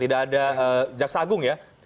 tidak ada jaksa agung ya